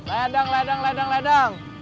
ledang ledang ledang ledang